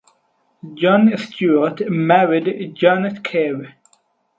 John Stewart married Jonet Ker.